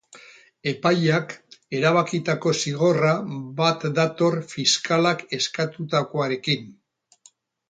Epaileak erabakitako zigorra bat dator fiskalak eskatutakoarekin.